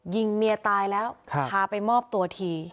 ยิงเมียตายแล้วพาไปมอบตัวที